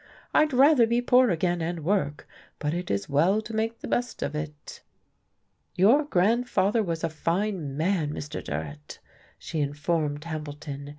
I'd rather be poor again, and work. But it is well to make the best of it."... "Your grandfather was a fine man, Mr. Durrett," she informed Hambleton.